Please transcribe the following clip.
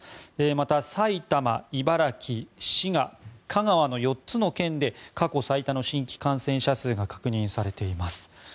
また、埼玉、茨城、滋賀、香川の４つの県で過去最多の新規感染者数が確認されています。